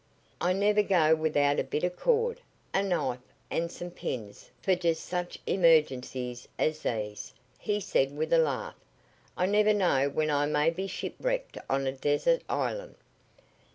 "I never go without a bit of cord, a knife and some pins for just such emergencies as these," he said with a laugh. "I never know when I may be shipwrecked on a desert island."